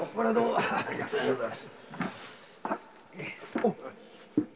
ありがとうございます。